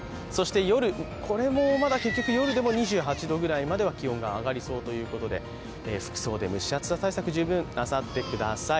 夜、これも２８度くらいまでは気温が上がりそうということで服装で蒸し暑さ対策を十分なさってください。